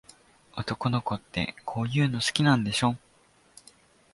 男の子って、こういうの好きなんでしょ。